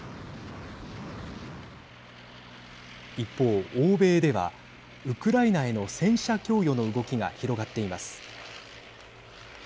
一方、欧米ではウクライナへの戦車供与の動きが広がっています。